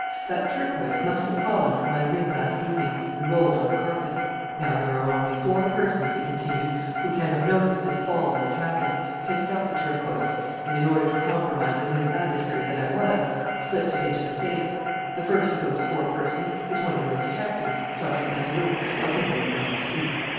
That turquoise must have fallen from my ring last evening and rolled on the carpet. "Now there are only four persons," he continued, "who can have noticed this fall when it happened, picked up the turquoise and, in order to compromise the new adversary that I was, slipped it into the safe. The first of those four persons is one of your detectives, Sergeant Mazeroux, of whom we will not speak.